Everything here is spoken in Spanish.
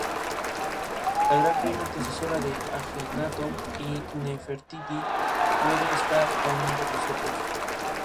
La gran reina, antecesora de Ajenatón y Nefertiti, puede estar aún entre nosotros.